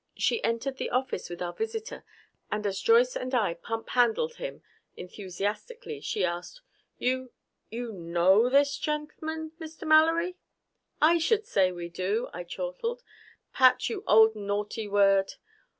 She entered the office with our visitor, and as Joyce and I pumphandled him enthusiastically she asked, "You you know this gentleman, Mr. Mallory?" "I should say we do!" I chortled. "Pat, you old naughty word!